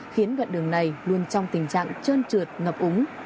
khiến đoạn đường này luôn trong tình trạng trơn trượt ngập úng